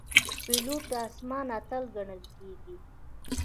پیلوټ د آسمان اتل ګڼل کېږي.